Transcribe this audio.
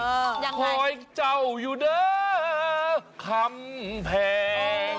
ฝ่อยเจ้าอยู่เด้อคัมเพง